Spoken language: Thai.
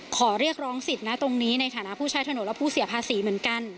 ขอเรียกร้องสิทธิ์นะตรงนี้ในฐานะผู้ใช้ถนนและผู้เสียภาษีเหมือนกัน